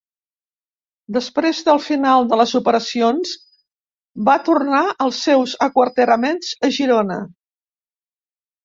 Després del final de les operacions va tornar als seus aquarteraments a Girona.